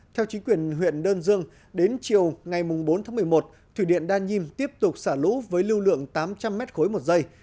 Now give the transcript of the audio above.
theo chính quyền huyện đơn dương đến chiều ngày bốn tháng một mươi một thủy điện đa nhiêm tiếp tục xả lũ với lưu lượng tám trăm linh m ba một giây